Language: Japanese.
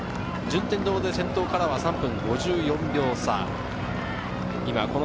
順天堂で先頭からは３分５４秒差。